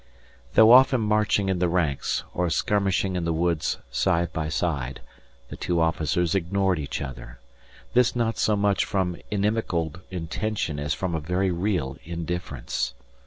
Though often marching in the ranks or skirmishing in the woods side by side, the two officers ignored each other; this not so much from inimical intention as from a very real indifference.